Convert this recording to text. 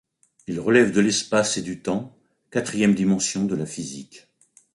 Il relève de l'espace et du temps, quatrième dimension de la physique.